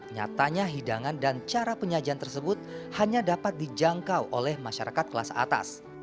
nyatanya hidangan dan cara penyajian tersebut hanya dapat dijangkau oleh masyarakat kelas atas